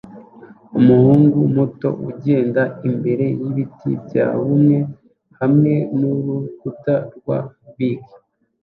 Umuhungu muto ugenda imbere yibiti byabumbwe hamwe nurukuta rwa beige